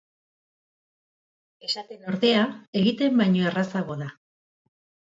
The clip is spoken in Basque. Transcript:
Esaten ordea, egiten baino errazago da.